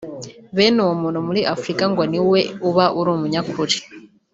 bene uwo muntu muri Afurika ngo niwe uba ari umunyakuri